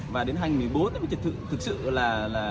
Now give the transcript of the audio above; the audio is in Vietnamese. và đến hai nghìn một mươi bốn thì thực sự là